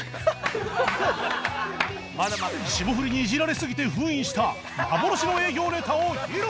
霜降りにイジられすぎて封印した幻の営業ネタを披露！